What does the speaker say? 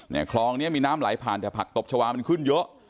คลองเนี้ยมีน้ำไหลผ่านแต่ผักตบชาวามันขึ้นเยอะ